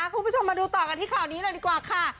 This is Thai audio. คุณผู้ชมมาดูต่อกันที่ข่าวนี้หน่อยดีกว่าค่ะ